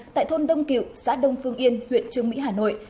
tại thôn đông cựu xã đông phương yên huyện trương mỹ hà nội